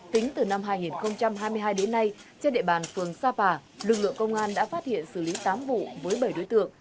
tính từ năm hai nghìn hai mươi hai đến nay trên địa bàn phường sapa lực lượng công an đã phát hiện xử lý tám vụ với bảy đối tượng